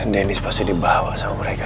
dennis pasti dibawa sama mereka